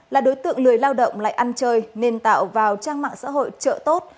là đối tượng lười lao động lại ăn chơi nên tạo vào trang mạng xã hội trợ tốt